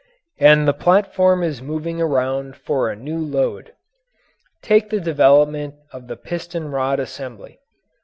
And the platform is moving around for a new load. Take the development of the piston rod assembly.